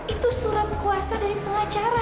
itu surat kuasa dari pengacara